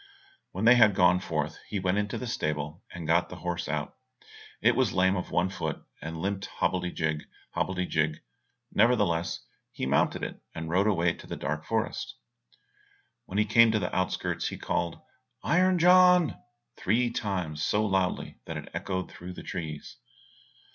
When they had gone forth, he went into the stable, and got the horse out; it was lame of one foot, and limped hobblety jig, hobblety jig; nevertheless he mounted it, and rode away to the dark forest. When he came to the outskirts, he called "Iron John," three times so loudly that it echoed through the trees.